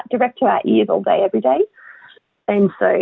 di dalam telinga kita sepanjang hari